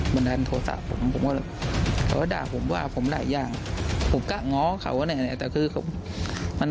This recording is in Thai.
บ๊วยดับมอบในตัว